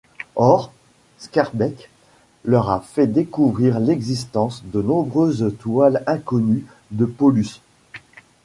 Or, Skarbek leur a fait découvrir l'existence de nombreuses toiles inconnues de Paulus.